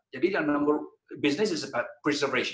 jadi bisnis adalah tentang penyelamat